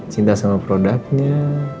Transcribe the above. cinta sama produknya